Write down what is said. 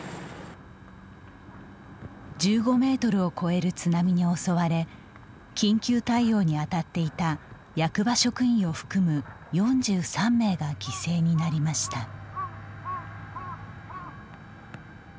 １５メートルを超える津波に襲われ緊急対応に当たっていた役場職員を含む４３名が犠牲になりました。